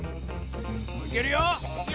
いけるよ！